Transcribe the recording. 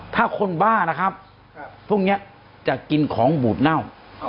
ถ้าคนบ้านะครับพวกนี้จะกินของบูดเน่า